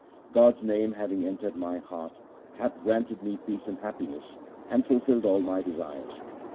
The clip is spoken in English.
God's name having entered my heart hath granted me peace and happiness, and fulfilled all my desires.